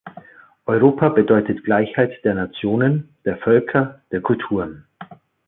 Europa bedeutet Gleichheit der Nationen, der Völker, der Kulturen.